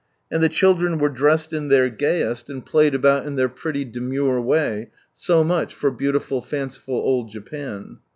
And the children were dressed in their gayest, and played about in their pretty demure way.^so much for beautiful fanciful old Japan.